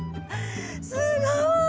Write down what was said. すごい！